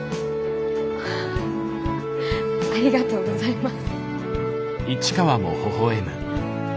ありがとうございます。